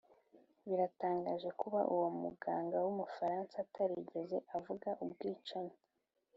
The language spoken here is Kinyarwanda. biratangaje kuba uwo muganga w'umufaransa atarigeze avuga ubwicanyi